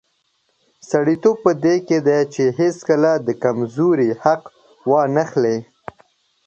سړیتوب په دې کې دی چې هیڅکله د کمزوري حق وانخلي.